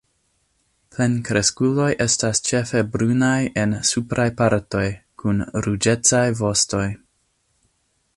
Plenkreskuloj estas ĉefe brunaj en supraj partoj, kun ruĝecaj vostoj.